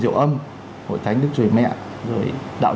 lâm hội thánh đức chúa trời mẹ rồi đạo